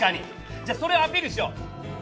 じゃあそれをアピールしよう！